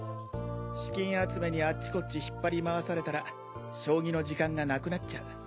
資金集めにあっちこっち引っ張り回されたら将棋の時間がなくなっちゃう。